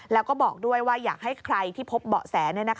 แล้วก็บอกด้วยว่าอยากให้ใครที่พบเบาะแส